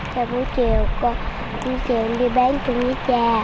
rồi buổi chiều con đi bán chung với cha